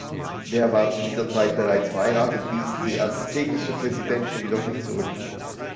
Der war zu dieser Zeit bereits verheiratet, wies die aztekische Prinzessin jedoch nicht zurück.